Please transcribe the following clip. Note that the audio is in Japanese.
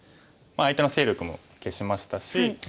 相手の勢力も消しましたし。